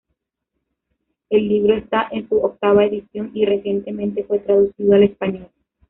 El libro está en su octava edición y recientemente fue traducido al español.